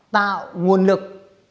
tạo nguồn lực